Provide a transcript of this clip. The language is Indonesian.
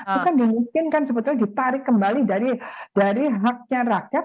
bukan dimiskinkan sebetulnya ditarik kembali dari haknya rakyat